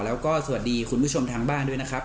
แล้วก็สวัสดีคุณผู้ชมทางบ้านด้วยนะครับ